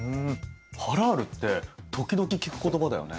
「ハラール」って時々聞く言葉だよね。